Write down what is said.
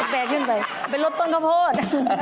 เปรย์ขึ้นไปเป็นรสต้นข้าวโพด